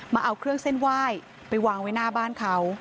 มาเอาเครื่องเส้นไหว้ไปวางไว้หน้าบ้านเขา